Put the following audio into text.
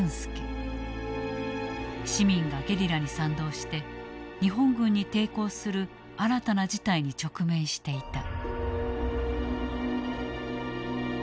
市民がゲリラに賛同して日本軍に抵抗する新たな事態に直面していた。